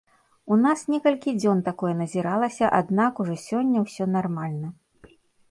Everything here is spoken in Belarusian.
У нас некалькі дзён такое назіралася, аднак ужо сёння ўсё нармальна.